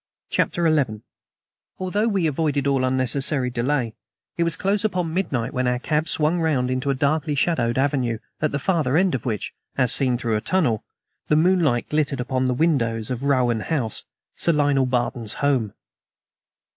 CHAPTER XI ALTHOUGH we avoided all unnecessary delay, it was close upon midnight when our cab swung round into a darkly shadowed avenue, at the farther end of which, as seen through a tunnel, the moonlight glittered upon the windows of Rowan House, Sir Lionel Barton's home.